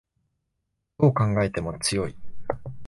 どう考えても強い